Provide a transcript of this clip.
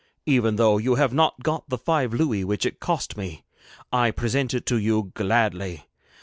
Even though you have not got the five louis which it cost me, I present it to you gladly.